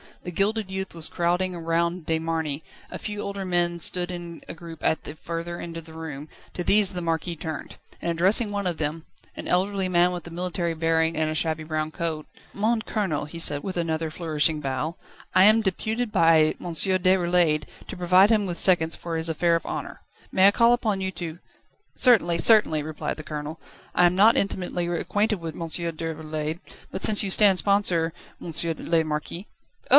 The gilded youth was crowding round De Marny; a few older men stood in a group at the farther end of the room: to these the Marquis turned, and addressing one of them, an elderly man with a military bearing and a shabby brown coat: "Mon Colonel," he said, with another flourishing bow; "I am deputed by M. Déroulède to provide him with seconds for this affair of honour, may I call upon you to ..." "Certainly, certainly," replied the Colonel. "I am not intimately acquainted with M. Déroulède, but since you stand sponsor, M. le Marquis ..." "Oh!"